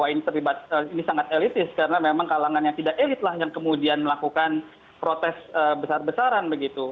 ini sangat elitis karena memang kalangan yang tidak elit yang kemudian melakukan protes besar besaran